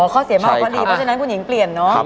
ข้อเสียมากกว่าข้อดีเพราะฉะนั้นคุณหญิงเปลี่ยนเนาะ